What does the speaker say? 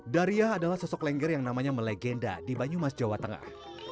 daria adalah sosok lengger yang namanya melegenda di banyumas jawa tengah